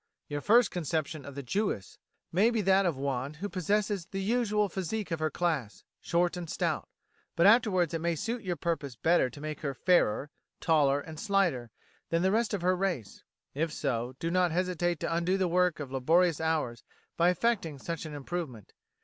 Your first conception of the Jewess may be that of one who possesses the usual physique of her class short and stout; but afterwards it may suit your purpose better to make her fairer, taller, and slighter, than the rest of her race. If so, do not hesitate to undo the work of laborious hours by effecting such an improvement.